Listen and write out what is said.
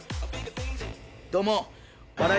どうも。